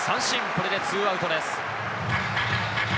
これで２アウトです。